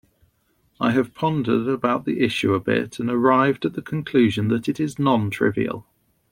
I have pondered about the issue a bit and arrived at the conclusion that it is non-trivial.